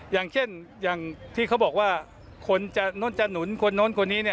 อย่างเช่นที่เขาบอกว่าคนนั้นจะหนุนคนนั้นคนนี้